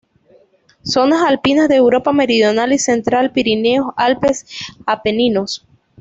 Zonas alpinas de Europa meridional y central, Pirineos, Alpes, Apeninos.